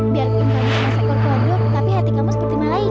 biarkan kami selasa korporat tapi hati kamu seperti malaikat